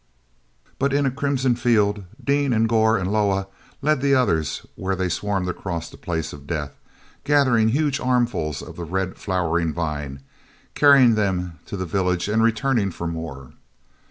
But in a crimson field Dean and Gor and Loah led the others where they swarmed across the Place of Death, gathering huge armfuls of the red flowering vine, carrying them to the village and returning for more.